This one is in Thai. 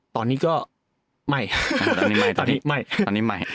ตอนนี้ก็ไม่